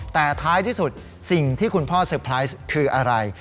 แต่ท้ายที่สุดสิ่งที่คุณพ่อเตอร์ไพรส์คืออะไร